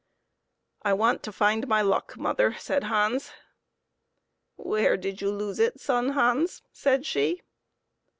" I want to find my luck, mother," said Hans. " Where did you lose it, Son Hans ?" said she.